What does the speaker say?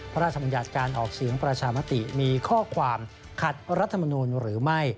พระราชบัญญัติการออกเสียงประชามติมีข้อความขัดรัฐมนูลหรือไม่